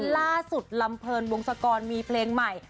ล่าสุดลำเพิลวงศกรมีเพลงใหม่